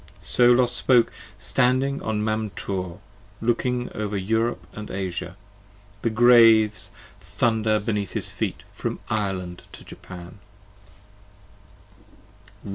So Los spoke standing on Mam Tor, looking over Europe & Asia: The Graves thunder beneath his feet from Ireland to Japan.